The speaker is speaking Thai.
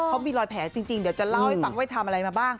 เขามีรอยแผลจริงเดี๋ยวจะเล่าให้ฟังว่าทำอะไรมาบ้าง